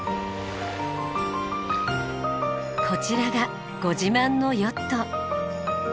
こちらがご自慢のヨット。